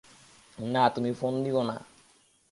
না, তুমি ফোন দিয়োনা।